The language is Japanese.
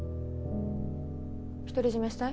独り占めしたい？